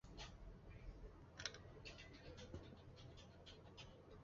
是一种美容外科手术。